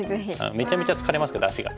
めちゃくちゃ疲れますけど足が。